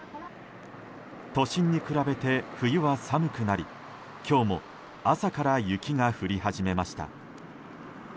都心に比べて、冬は寒くなり今日も朝から雪が降り始めました。